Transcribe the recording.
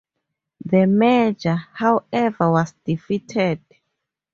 The measure, however, was defeated.